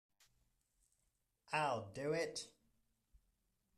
I'll do it.